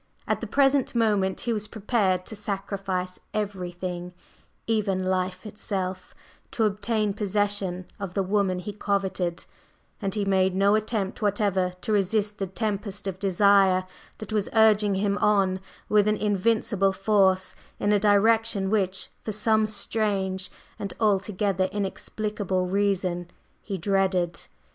At the present moment he was prepared to sacrifice everything, even life itself, to obtain possession of the woman he coveted, and he made no attempt whatever to resist the tempest of desire that was urging him on with an invincible force in a direction which, for some strange and altogether inexplicable reason, he dreaded.